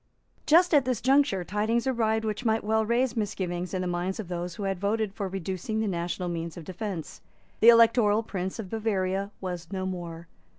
Just at this juncture tidings arrived which might well raise misgivings in the minds of those who had voted for reducing the national means of defence. The Electoral Prince of Bavaria was no more.